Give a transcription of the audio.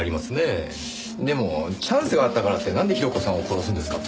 でもチャンスがあったからってなんで広子さんを殺すんですか？